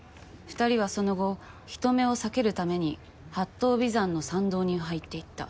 ２人はその後人目を避けるために八頭尾山の山道に入っていった。